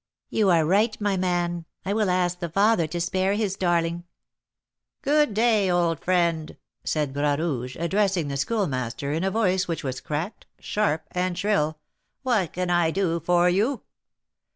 "You are right, my man; I will ask the father to spare his darling." "Good day, old friend," said Bras Rouge, addressing the Schoolmaster, in a voice which was cracked, sharp, and shrill. "What can I do for you?"